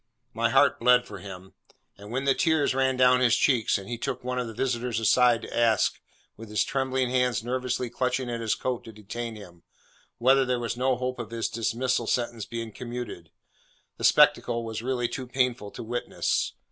My heart bled for him; and when the tears ran down his cheeks, and he took one of the visitors aside, to ask, with his trembling hands nervously clutching at his coat to detain him, whether there was no hope of his dismal sentence being commuted, the spectacle was really too painful to witness.